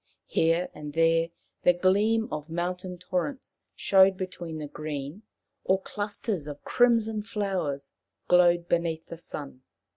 Here and there the gleam of mountain torrents showed between the green, or clusters of crimson flowers glowed beneath the sun.